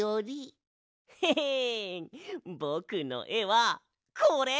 ヘヘンぼくのえはこれ！